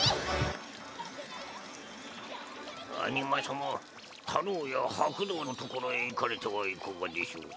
アニマ様太朗や白道のところへ行かれてはいかがでしょう。